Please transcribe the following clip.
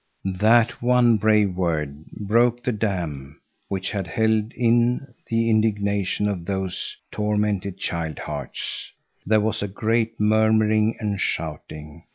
That one brave word broke the dam which had held in the indignation of those tormented child hearts. There was a great murmuring and shouting.